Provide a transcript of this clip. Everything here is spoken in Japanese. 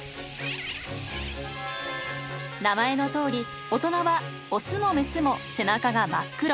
名前のとおり大人はオスもメスも背中が真っ黒。